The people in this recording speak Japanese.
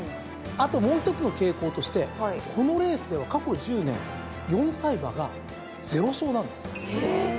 あともうひとつの傾向としてこのレースでは過去１０年４歳馬がゼロ勝なんです。え。